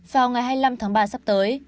vào ngày hai mươi năm tháng ba sắp tới